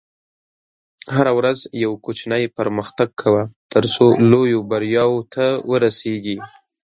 هره ورځ یو کوچنی پرمختګ کوه، ترڅو لویو بریاوو ته ورسېږې.